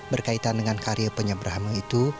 berkaitan dengan karya penyep brahma itu